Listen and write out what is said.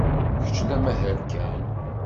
Kečč d amahal kan.